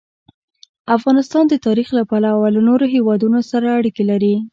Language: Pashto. افغانستان د تاریخ له پلوه له نورو هېوادونو سره اړیکې لري.